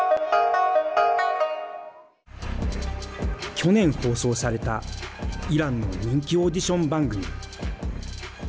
去年、放送されたイランの人気オーディション番組。